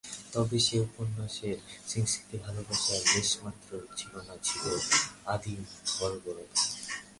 তবে সে উদ্যাপনের সংস্কৃতিতে ভালোবাসার লেশমাত্র ছিল না, ছিল আদিম বর্বরতা।